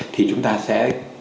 thì chúng ta sẽ